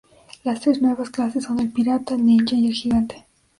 Las tres nuevas clases son el pirata, el ninja y el gigante.